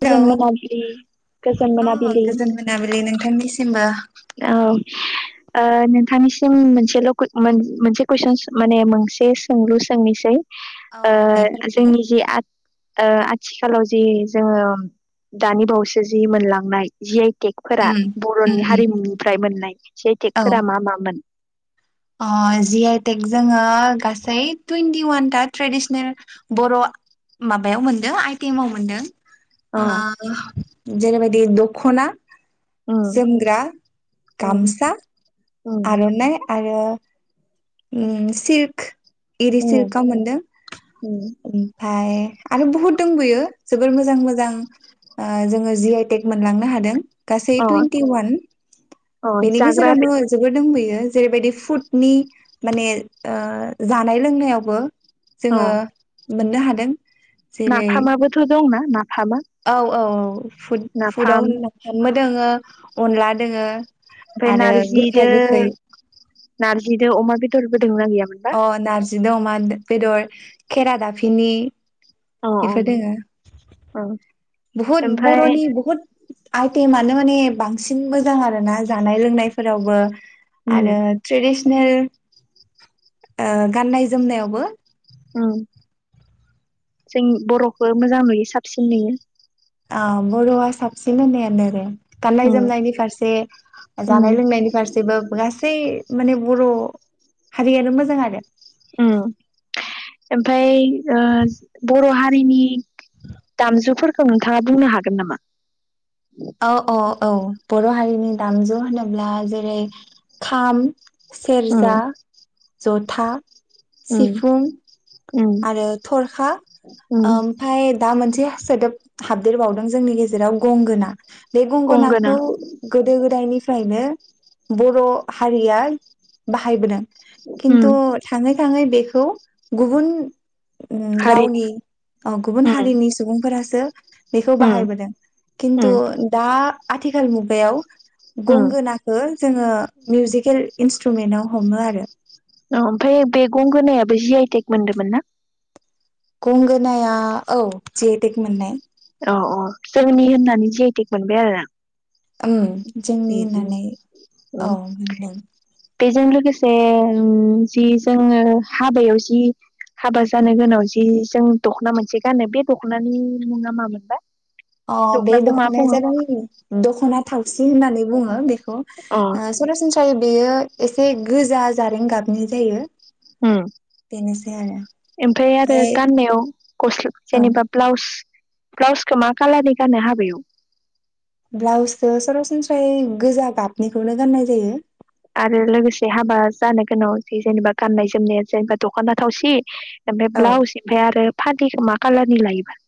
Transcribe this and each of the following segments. गोजोन हेलौ मोनाबिलि गोजोन अ मोनाबिलि गोजोन मोनाबिलि नोंथांनिसिमबो औ नोंथांनिसिम मोनसेल' मोनसे कुइसन माने मोनसे सोंलु सोंनोसै औ दे जोंनि फोरमायलाय जि ओ आथिखाल जो जि जोङो दानि बावैसो जि मोनलांनाय जि टेकफोरा उम उम बर'नि उम हारिमुनिफ्राय मोननाय जि आइ औ टेकफोरा मा मामोन अ जि आइ तेग जोङो गासै टुइन्टि वानथा ट्रेडिसनेल बर' माबायाव मोनदों आइटेमाव मोनदों अ आ जेनेबायदि दखना उम जोमग्रा उम गामसा उम आरनाय आरो उ सिलक उम एसेरखा मोनदों उम ओमफ्राय आरो बुहुत दंबोयो जोबोर मोजां मोजां जोङो जि आइटेक मोनलांनो हादों गासै अ टुवन्टि वान अ बेनि जाग्रा गेजेर बे बो दंबोयो जेरैबायदि फुटनि माने जानाय लोंनायावबो अ जोङो मोननो हादों दों नाफामाबोथ' दंना नाफामा औ औ फुद फुदव नाफाम होनानोन दोङो अनला दोङो नारजी थाख गोखाय नारजि द अमा बिदर थना गैया मोनदा बि दंमा बेदर खेरा दाफिनि अ बेफोर दोङो औ बहुद ओमफ्राय बर'नि बहुद आइत मान मानिे बांसिन बांसिन मोजां आरो ना जानाय लोंनायफोरावबो आरो उम ट्रेदिसनेल बे ओ गाननाय जोमनायावबो उम जों बर'खौ मोजां नुयो साबसिन नुयो ओ बर'आ साबसिन होननायानो रे गाननाय उम जोमनायनि फारसे जानाय उम लोंनायनि फारसेबो गासै माने बर' हारियानो मोजां आरो अ ओमफ्राय बर' हारिनि दामजुफोर नोंथाङा बुंनो हागोन नामा औ औ औ बर' हारि नि दामजु होनोब्ला जेरै खाम सेरजा उम जथा था उम सिफुं उम आरो थरखा उम ओमफ्राय दा मोनसे से सोदोब हाबदेरबावदों जोंनि गेजेराव गंगोना बे गंगोना गंगोनाखौ गोदो गोदायनि फ्रायनो बर' हारिया बाहायबोदों। उम खिन्थु थाङै थाङै बेखौ गुबुन हारिनि रावनि गुबुन उम हारिनि सुबुंफोरासो बेखौ उम बाहायबोदों खिन्थु उम दा आथिखाल मुगायाव उम गंगोनाखौ जोङो मिउजिकेल इन्सट्रुमेन्टाव हमो आरो। ओमफ्राय बेैगंगोनायाबो जि आइ टेग मोनदोंमोन ना? गंगोनाया औ जि आइ टेग मोननाय। औ औ जोंनि होननानै जि आइ टेग मोनबाय आरो ना। उम जोंनि उम उम होननानै उम औ होनदों। बेजों लोगोसे जि जोङो हाबायाव जि हाबा जानो गोनांआव जि जों दख'ना मोनसे गानो बे दख'नानि मुङा मामोन? हो अ बे दख'नाया जाबाय दख'ना थावसि होननानै बुङो बे खौ अ सरासनस्रायै बेयो एसे गोजा जारें गाबनि जायो। उम बेनोसै आरो ओमफाय आरो ओमफ्राय गाननायाव गस औ जेनेबा ब्लाउस ब्लाउसखौ मा खाालारनि गानो हाबायाव? ब्लाउसखौ सरासनस्रायै गोजा गाबनिखौनो गाननाय जायो। आरो लोगोसे हाबा जानो गोनां जेनेबा गाननाय जोमनाया जेनेबा दख'ना थावसि ओमफ्राय औ ब्लाउस ओमफ्राय आरो फालिखौ मा कालारनि लायोबा?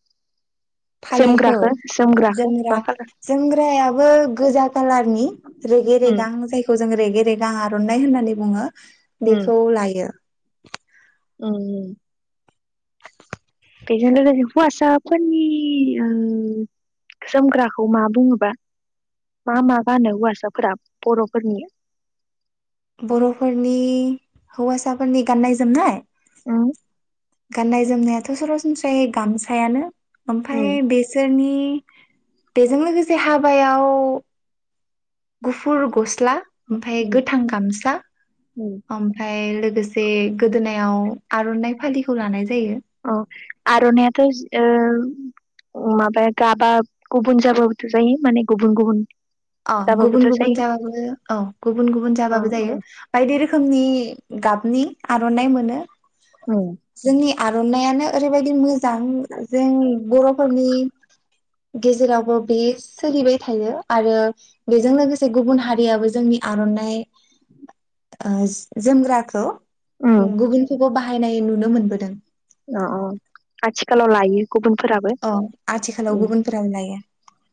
फालिखौ जोमग्राखो जोमग्राखो जोमग्रा मा कालार जोमग्रायाबो गोजा कालारनि रेगे उम रेगां जायखौ जों रेगे रेगां आर'नाइ होननानै बुङो। बेखौ लायो। उम उम बेजोंनो [unintelligible] हौवासाफोरनि उम जोमग्राखौ मा बुङोबा मा मा गानो हौवासाफोरा बर'फोरनि? बर'फोरनि हौवासाफोरनि गाननाय जोमनाय? उम गाननाय जोमनायाथ' सरासनस्रायै गामसायानो। आमफाय बेसोरनि बेजों लोगोसे हाबायाव गुफुर गस्ला। ओमफाय गोथां गामसा उम ओमफाय लो गोसे गोदोनायाव आर'नाइ फालिखौ लानाय जायो। अ आर'नाइआथ' ओ माबाया गाबा गुबुन जाब्लाथ' जायो माने गुबुन गुबुन। अ गुबुन जाबाबोथ' गुबुन जायो जाबाबो औ गुबुन गुबुन अ जाबाबो जायो अ बायदि रोखोमनि गाबनि आर'नाइ मोनो। औ। आर'नाइआनो ओरैबायदि मोज जां जों बर'फ फोरनि गेजेरावबो बे सोलिबाय थायो आरो। बेजों लोगोसे गुबुन हारियाबो जोंनि आर'नाइ ओ जोमग्राखौ ओ उम गुबुनखौबो बा हायनाय नुनो मोनबोदों। अ अ आथिखालाव लायो। गुबुनफोराबो अ आथिखालाव उम गुबुनफोराबो लायो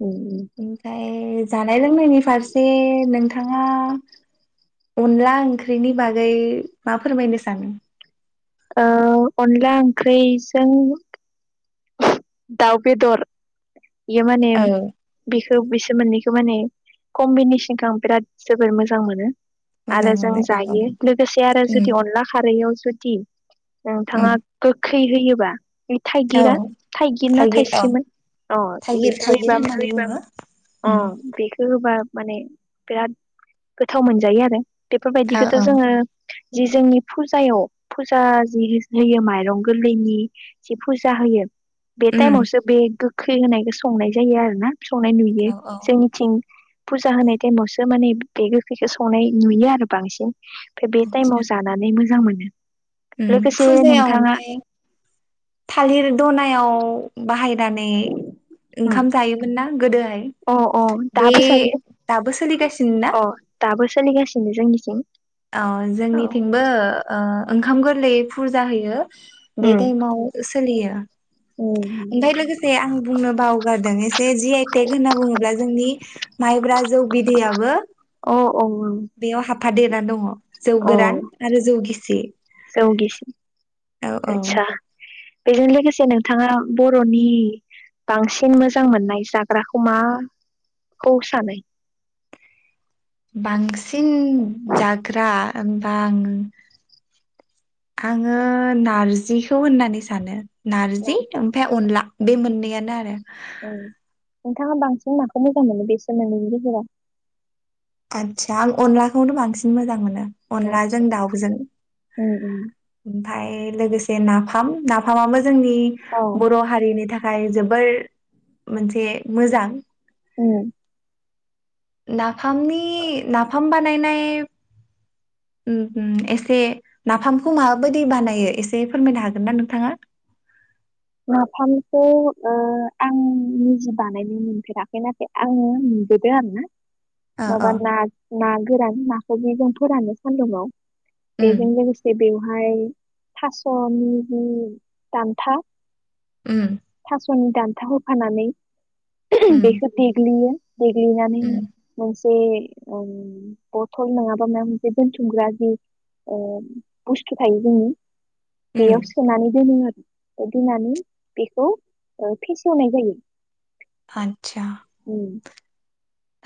उम उम ओमफ्राय [unintelligible] नाय लोंनायनि फारसे नोंथां ङा अनला ओंख्रिनि बागै मा फोरमायनो सानो? ओ अनला ओंख्रैजों दाउ बेदर बियो माने औ बिखौ बिसोर मोननै माने कम्बिनेसनखौ आं बिराद जोबोर मोजां मोनो। मोजां आरो जों मोनो औ जायो लोगोसे आरो उम जुदि अनला खारैयाव। जुदि उम नोंथाङा गो खै होयोबा। ओइ औ थाइगिरा थाइगिर ना थाइस्रिमोन अ थाइगिर बेखौ थाइगिर होयोबा मान होननानै बुङो उम अ बेखौ होब होबा माने बिराद गोथाव मोनजायो आरो। औ बेफोरबायदिखौथ' औ जोङो जि जोंनि फुजायाव फुजा जिहिस होयो माइरं गोरलैनि जि फुजा होयो बे उम टाइमावसो बे गोख खै होनायखो संनाय जायो आरो ना? संनाय नुयो औ औ जोंनिथिं फुजा होनाय टाइमावसो माने बे गोखैखौ संनाय नुयो आरो बांसिन। ओमफ्राय बे टाइमाव जानानै मोजां मोन [inaudible] उम फुजायाव ओमफाय थालिर दनायाव बाहाय नानै उम ओंखाम जायोमोन ना? गोदो अ अ दाबो दाबो सोलिगासिनो ना जायोअ दाबो सोलिगासिनो जोंनिथिं। औ औ जोंनिथिंबो ओ ओंखाम गोरलै फुजा होयो। बे उम टाइमाव सो लियो। उम ओमफाय लोगोसे आं बुंनो बावगारदों ए जे जि आइ टेक होनना बुंङोब्ला जोंनि माइब्रा जौ बिदैयाबो अ औ औ बेयाव हाफा देरना दंङ जौ औ गोरान आरो जौ गिसि। जौ गिसि औ औ आटचा। बेजों लोगोसे नोंथांङा बर'नि बांसिन मोजां मोननाय जाग्राखौ माखौ सानो? बांसिन जाग्रा होनबा आं आङो नार्जिखौ होननानै सानो। नार्जि ओमफाय अनला। बे मोननैयानो आरो। उम नोंथांङा बांसिन माखौ मोजां मोनो बेसोर मोननैनि गेजेराव? आटचा आं अनलाखौनो बांसिन मोजां मोनो। अनलाजों आतसा दाउजों उम। उम उम ओमफाय लोगोसे नाफाम नाफामा मो जोंनि अ बर' हारिनि थाखा य जोबोर मोनसे मोजां। औ। नाफामनि नाफाम बानायनाय उम उम एसे नाफामखौ माबायदि बानायो एसे फोरमायनो हागोन ना नोंथाङा? नाफामखौ ओ आं निजि बानायनो मोनफेराखै नाथाय आङो मोनुबोदों आरोना। ओ ओ माबा ना‌ ना गोरान होना [unintelligible] जों फोरानो सान्दुंआव। उम बेजों लोगोसे बे हाय थास'नि दान्था उम। थास' दान्थाखौ होफानानै उम बेखौ देग्लियो। देग्लिनानै उम मोनस बे ओम बथल नङाबा मा मोनसे दोनथुमग्रा जि ओ बुस्थु थायो जोंनि उम बेयाव सोनानै दोनो आर देनानै बेखौ ओ फेसेवनाय जायो। आथसा ओम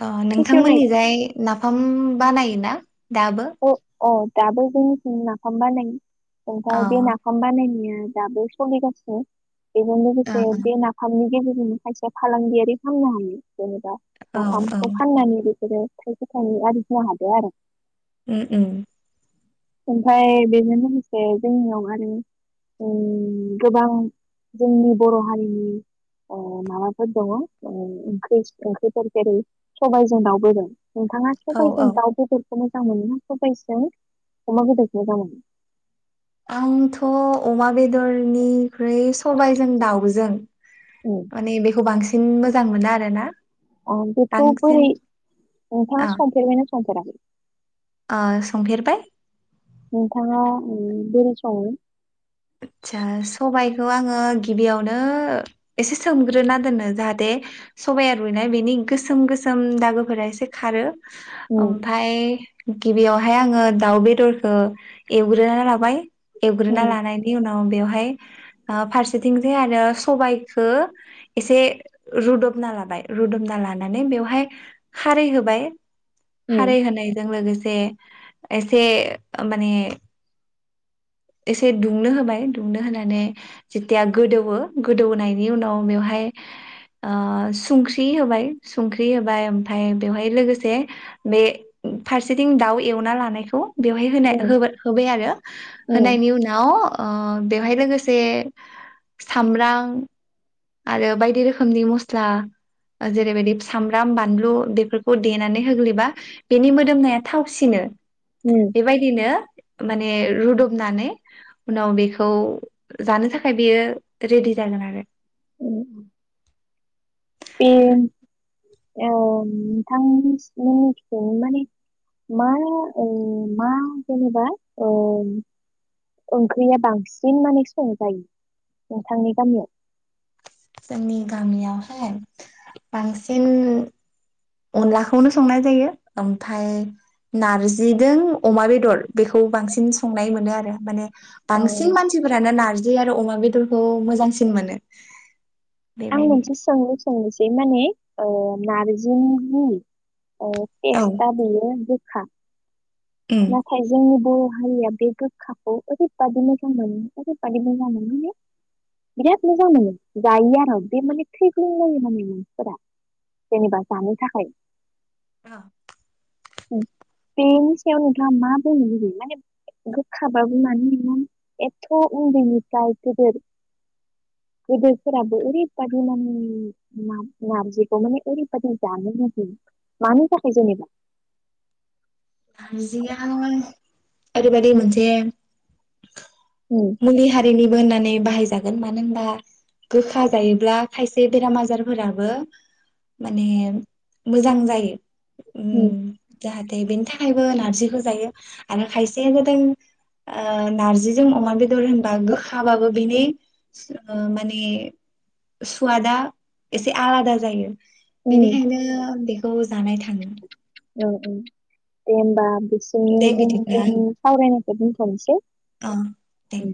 ओ फेसेवनायखौ नोंथांमोननिजाय नाफाम बानायो ना? दाबो अ' दाबो जोंनिथिं नाफाम बानायो। अ ओमफाय बे नाफाम बानायनाया ओ दाबो सलि गासिनो। बेजों औ लोगोसे बे नाफाम नि गेजेर उम खायसे फालांगियारि खामनो हायो जेनबा औ नाफाम खौ फाननानैबो बेदो थायसे थायनै आरजिनो हादो आरो। ओ उम ओमफाय बेजों लोगोसे जोंनियाव आरो ओ गोबां जोंनि बर' हारिनि ओ माबाफोर दङ ओ ओंख्रि ओंख्रिफोर जेरै सबायजों दाव बेदर नोंथाङा औ सबायजों औ दाव बेदर खौ मो मोजां मोनो ना बिबारजों अमा बेदर जों जानो आंथ' अमा बेदरनि ख्रुय सबायजों दाउजों उम माने बेखौ बांस सिन मोजां मोना आरो ना। अ बेखौ बोरै नोंथाङा संफेरबायना संफेराखै? आ संफेरबाय। नोंथाङा उम बोरै सङो? आदसा सबायखौ आङो गिबियावनो एसे सोमग्रोना दोननो जाहाथे सबाया रुयनाय बेनि गोसोम गोसोम दागोफोरा एसे खारो। उम ओमफाय गिबियावहाय आङो दाउ बेदरखौ एवग्रोना लाबाय। एवग्रोना उम लानाय नाव बेवहाय ओ फारसेथिंजाय आरो सबाइखो एसे रुदबना लाबाय रुदबना लानानै बेवहाय खारै होबाय उम खारै होनायजों लोगोस से एसे ओ माने एसे दुंनो होबाय दुंनो होनानै जेथिया गोदौवो गोदौहोनायनि उनाव बेवहाय ओह संख्रि होबाय संख्रि होबाय ओमफफ्राय बेवहाय लोगोसे बे फारसेथिं दाउ एवना लानायखौ बेवहाय होनाय उम होबाय-होबाय आरो। उम होनायनि उनाव ओह बेवहाय लोगोसे सामब्रां आरो बायदि रोखोमनि मस्ला जेरैबायदि सामब्राम बानलु बेफोरखौ देनानै होग्लैबा बेनि मोदोमनाया थावसिनो। उम बेबायदिनो माने रुदुब नानै उनाव बेखौ जानो थाखाय बेयो रेडि जागोन आरो। उम। बे नोंथांनि मिथिनो माने मा ओ मा जेनेबा ओह ओंख्रिया बांसिन माने संजायो नोंथांनि गामियाव। जोंनि गामियाव हाय बांसिन अनलाखौनो संनाय जायो ओमफ्राय नारजिजों अमा बेदर बेखौ बांसिन संनाय मोनो आरो माने ओ बांसिन मानसिफोरानो नारजि जि आरो अमा बेदरखौ मोजांसिन मोनो। आं बेबायदिनो मोनसे सोंलु सोंनोसै। बे माने ओ नारजिनि मुं। ओ औ टेस्था बियो गोब हा। उम नाथाय जोङो बर हारिया बे गोख्खाखौ ओरैबादि मोजां मोनो ओरैबादि मोजां मोनो माने बिराद मोजां मोनो जायो आरो बे माने थैग्लुं लायो माने मानसिफोरा जेनेबा जानो थाखाय। औ। उम थेनस सायाव नोंथाङा मा बुंनो लुयो माने गोखाबाबो मानो होना एथ उन्दैनिफ्राय गोदोर-गोदोरफोराबो ओरैबादि माने नार-नारजिखौ माने ओरैबादि जानो लुबै मानो थाखाय जेनेबा? नारजिया मोन ओरैबादि मोनसे उम मुलि हारिनि बो होननानै बाहायजागोन मानो होनबा गोखा जायोब्ला खायसे बेराम आजारफोराबो माने मोजां जायो। उम औ जाहाथे बेनि थाखायबो नारजिखौ जायो आरो खायसेया जादों नारजिजों अमा बेदर बेदर होनबा गोखाबाबो बेनि माने सुवादा एसे आलादा जायो उम बिनिखायनो खौ जानाय थाङो औ औ [inaudible] दे एसेयावनो जों बिदिब्ला सावरायनायखौ दोनथ'नोसै अ दे